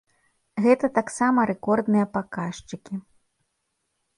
Гэта таксама рэкордныя паказчыкі.